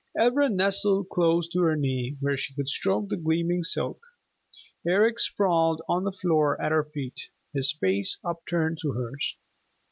Ivra nestled close to her knee where she could stroke the gleaming silk. Eric sprawled on the floor at her feet, his face upturned to hers.